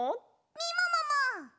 みももも。